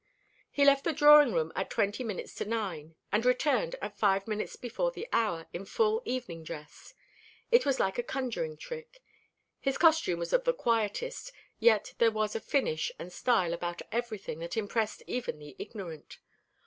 He left the drawing room at twenty minutes to nine, and returned at five minutes before the hour, in full evening dress. It was like a conjuring trick. His costume was of the quietest, yet there was a finish and style about everything that impressed even the ignorant.